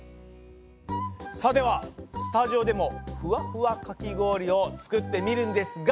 さあではスタジオでもふわふわかき氷を作ってみるんですが！